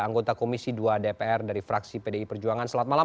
anggota komisi dua dpr dari fraksi pdi perjuangan selamat malam